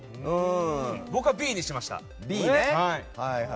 僕はＢにしました。